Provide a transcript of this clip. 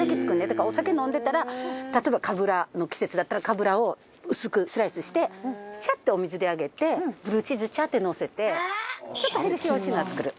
だからお酒飲んでたら例えばかぶらの季節だったらかぶらを薄くスライスしてシャッとお水であげてブルーチーズチャッてのせてちょっとヘルシーお品作る。